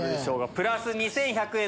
プラス２１００円。